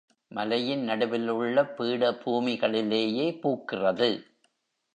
மலையின் நடுவிலுள்ள பீட பூமிகளிலேயே பூக்கிறது.